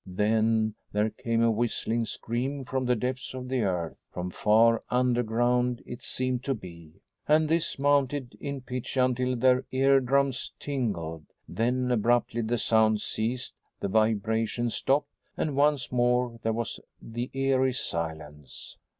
Then there came a whistling scream from the depths of the earth from far underground it seemed to be and this mounted in pitch until their eardrums tingled. Then abruptly the sounds ceased, the vibration stopped, and once more there was the eery silence.